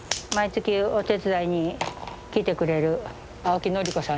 毎月お手伝いに来てくれる青木紀子さんです。